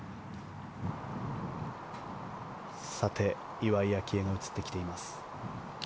岩井明愛が映ってきています。